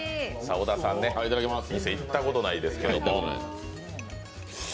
小田さんね、店、行ったことないですけど。